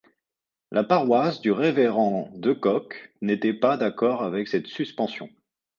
La paroisse du révérend de Cock n'était pas d'accord avec cette suspension.